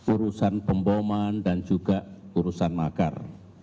urusan pemboman dan juga urusan makar